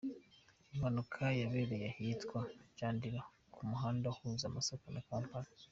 Iyi mpanuka yabereye ahitwa Jandira, ku muhanda uhuza Masaka na Kampala.